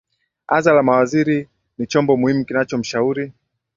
aza la mawaziri ni chombo muhimu kinaachomshauri